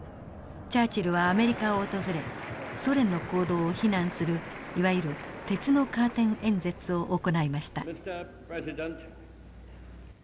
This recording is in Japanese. チャーチルはアメリカを訪れソ連の行動を非難するいわゆる鉄のカーテン演説を行いました。